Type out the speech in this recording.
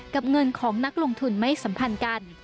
เงินของนักลงทุนไม่สัมพันธ์กัน